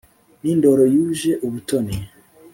n' indoro yuje ubutoni